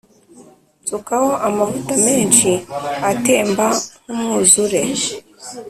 Nsukaho amavuta menshi atemba nkumwuzure